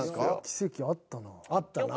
奇跡あったな。